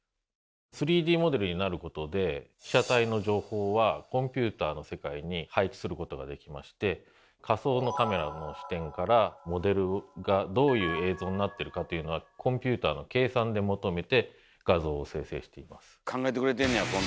３Ｄモデルになることで被写体の情報はコンピューターの世界に配置することができまして仮想のカメラの視点からモデルがどういう映像になってるかというのはコンピューターの計算で求めて画像を生成しています。